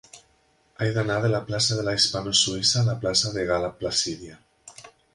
He d'anar de la plaça de la Hispano Suïssa a la plaça de Gal·la Placídia.